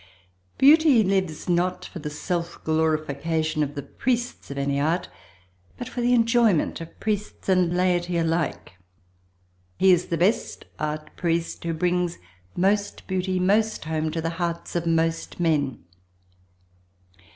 Beauty lives not for the self glorification of the priests of any art, but for the enjoyment of priests and laity alike. He is the best art priest who brings most beauty most home to the hearts of most men.